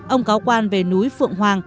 ông cáo quan về núi phượng hoàng